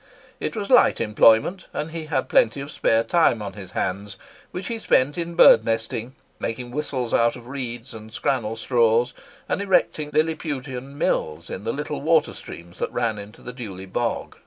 It was light employment, and he had plenty of spare time on his hands, which he spent in birdnesting, making whistles out of reeds and scrannel straws, and erecting Lilliputian mills in the little water streams that ran into the Dewley bog.